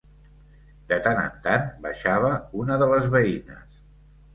De tan en tan baixava una de les veïnes